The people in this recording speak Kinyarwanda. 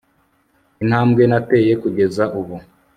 Intambwe nateye kugeza ubu